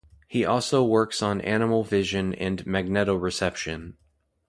He also works on animal vision and magnetoreception.